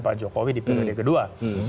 pak jokowi di periode kedua